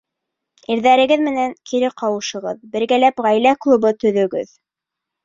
Ирҙәрегеҙ менән кире ҡауышығыҙ, бергәләп ғаилә клубы төҙөгөҙ!